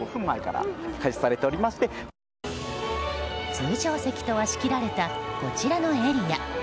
通常席とは仕切られたこちらのエリア。